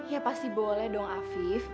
ya pasti boleh dong afif